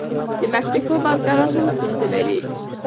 د مکسیکو بزګران هم ستونزې لري.